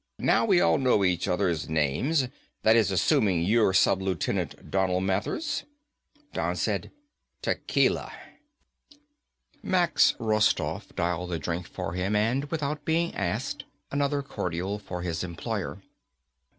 Now we all know each other's names. That is, assuming you're Sub lieutenant Donal Mathers." Don said, "Tequila." Max Rostoff dialed the drink for him and, without being asked, another cordial for his employer.